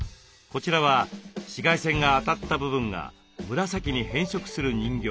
こちらは紫外線が当たった部分が紫に変色する人形。